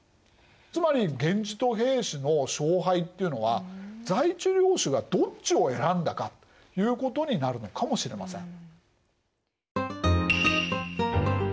つまり源氏と平氏の勝敗っていうのは在地領主がどっちを選んだかということになるのかもしれません。